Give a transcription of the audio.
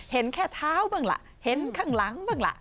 เห็นแค่เท้าบ้างล่ะเห็นข้างหลังบ้างล่ะ